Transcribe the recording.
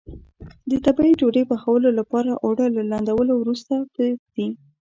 د تبۍ ډوډۍ پخولو لپاره اوړه له لندولو وروسته پرېږدي.